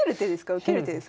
受ける手ですか？